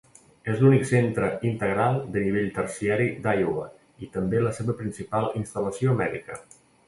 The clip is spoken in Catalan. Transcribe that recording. És l'únic centre integral de nivell terciari d'Iowa i també la seva principal instal·lació mèdica.